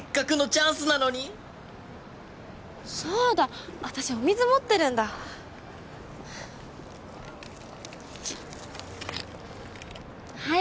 そうだ私お水持ってるんだは